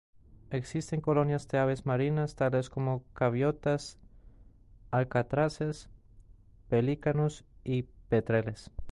Existen colonias de aves marinas tales como gaviotas, alcatraces, pelícanos y petreles.